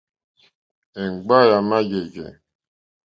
Èŋɡba yà má jèjɛ̀.